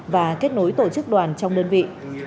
và kết nối tổ chức đoàn trong đơn vị